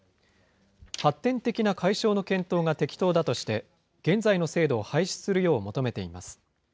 発展的な解消の検討が適当だとして、現在の制度を廃止するよう求めています。